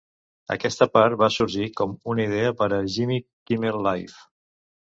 Aquesta part va sorgir com una idea per a Jimmy Kimmel Live!